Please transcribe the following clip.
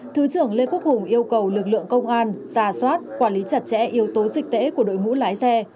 thứ trưởng lê quốc hùng yêu cầu lực lượng công an ra soát quản lý chặt chẽ yếu tố dịch tễ của đội ngũ lái xe